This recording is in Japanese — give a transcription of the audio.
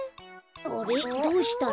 あれっどうしたの？